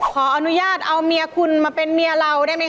ขออนุญาตเอาเมียคุณมาเป็นเมียเราได้ไหมค